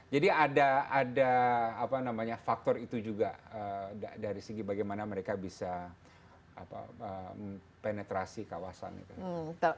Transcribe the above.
jadi ada faktor itu juga dari segi bagaimana mereka bisa penetrasi kawasan itu